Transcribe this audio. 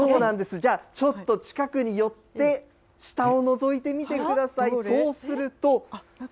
じゃあ、ちょっと近くに寄って下をのぞいてみてください、そうすると。